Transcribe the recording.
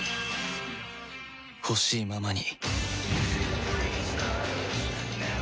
ほしいままに